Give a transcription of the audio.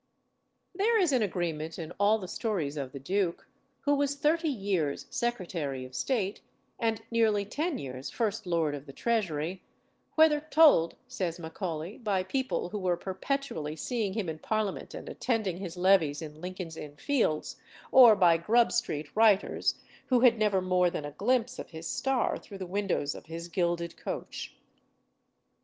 There is an agreement in all the stories of the duke, who was thirty years Secretary of State, and nearly ten years First Lord of the Treasury, "whether told," says Macaulay, "by people who were perpetually seeing him in Parliament and attending his levées in Lincoln's Inn Fields, or by Grub Street writers, who had never more than a glimpse of his star through the windows of his gilded coach."